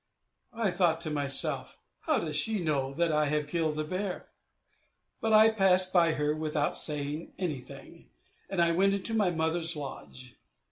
I thought to myself, "How does she know that I have killed a bear?" But I passed by her without saying anything, and went into my mother's lodge.